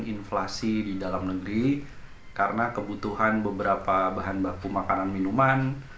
inflasi di dalam negeri karena kebutuhan beberapa bahan baku makanan minuman